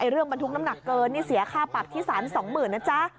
เรื่องบรรทุกน้ำหนักเกินนี่เสียค่าปักที่สารสองหมื่นนะจ๊ะ